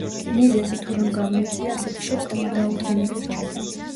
მიზეზი, თუ რამ გამოიწვია ასეთი შეცდომა, დაუდგენელი რჩება.